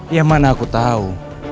yang mana aku tahu